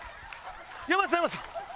山内さん山内さん